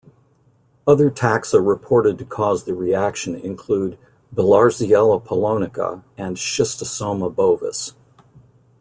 Other taxa reported to cause the reaction include "Bilharziella polonica" and "Schistosoma bovis".